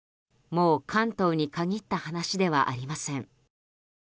もう関東に限った話ではありません。